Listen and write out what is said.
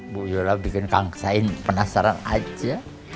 bu yola bikin kang sain penasaran aja